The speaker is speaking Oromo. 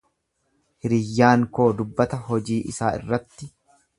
Hiriyyaan koo dubbata hojii isaa irratti.